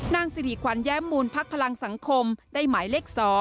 นางสิริขวัญแย้มมูลพักพลังสังคมได้หมายเลข๒